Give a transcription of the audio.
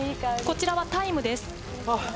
こちらはタイムです